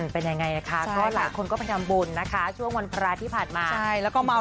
เป็นยังไงนะคะก็หลายคนก็พยายามบุญนะคะช่วงวันพระราชที่ผ่านมา